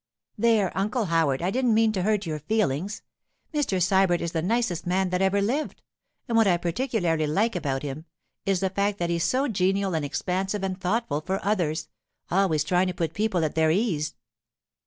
'There! Uncle Howard, I didn't mean to hurt your feelings. Mr. Sybert is the nicest man that ever lived. And what I particularly like about him, is the fact that he is so genial and expansive and thoughtful for others—always trying to put people at their ease.